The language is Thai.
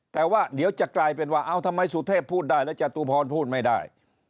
แต่ว่าเดี๋ยวจะกลายเป็นว่าเอาทำไมสุเทพพูดได้แล้วจตุพรพูดไม่ได้